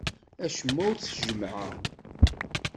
Acemma ur t-jemmɛeɣ.